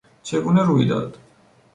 چگونه روی داد؟